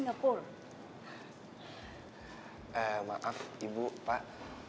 maaf ibu pak